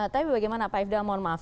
tapi bagaimana pak ifdal mohon maaf